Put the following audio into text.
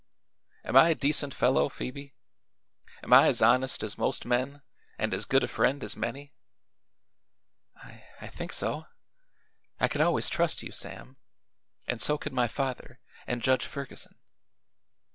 "Am I a decent fellow, Phoebe? Am I as honest as most men, and as good a friend as many?" "I I think so. I could always trust you, Sam. And so could my father, and Judge Ferguson."